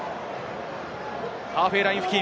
ハーフウェイライン付近。